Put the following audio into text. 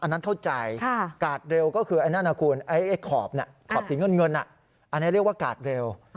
อันนั้นเข้าใจกาดเร็วก็คือไอ้นั่นนะคุณไอ้ขอบขอบสีเงินอันนี้เรียกว่ากาดเร็ว